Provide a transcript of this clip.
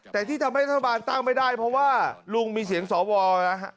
แต่ที่ทำให้รัฐบาลตั้งไม่ได้เพราะว่าลุงมีเสียงสวนะฮะ